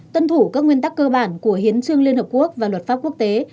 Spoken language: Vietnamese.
tuân thủ các nguyên tắc cơ bản của hiến trương liên hợp quốc và luật pháp quốc tế